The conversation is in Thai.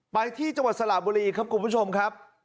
ไปที่จังหวัดสระบุรีครับคุณผู้ชมครับ